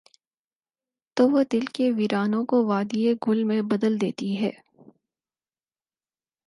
تو وہ دل کے ویرانوں کو وادیٔ گل میں بدل دیتی ہے۔